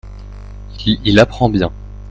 Il apprend bien.